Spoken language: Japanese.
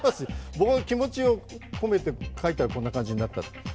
僕の気持ちを込めて書いたらこうなった。